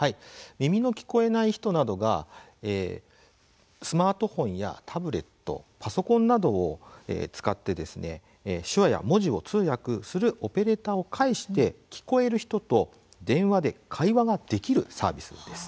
耳の聞こえない人などがスマートフォンやタブレットパソコンなどを使って手話や文字を通訳するオペレーターを介して聞こえる人と電話で会話ができるサービスです。